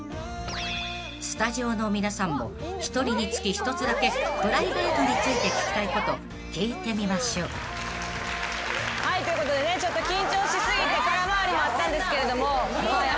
［スタジオの皆さんも１人につき１つだけプライベートについて聞きたいこと聞いてみましょう］ということでね緊張し過ぎて空回りもあったんですけれども。